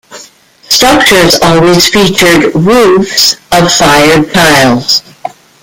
Structures always featured roofs of fired tiles.